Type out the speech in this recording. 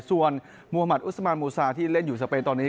ส่วนมุมัติอุสมานมูซาที่เล่นอยู่สเปนตอนนี้